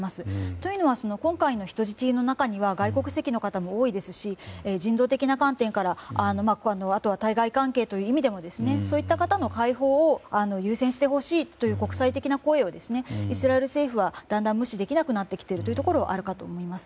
というのは、今回の人質の中には外国籍の方も多いですし人道的な観点やあとは、対外関係という意味でもそういった方の解放を優先してほしいという国際的な声をイスラエル政府はだんだん無視できなくなってきているところはあるかと思います。